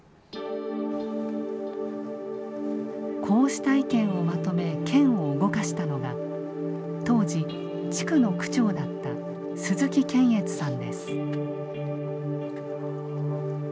こうした意見をまとめ県を動かしたのが当時地区の区長だったカキ棚だなカキ。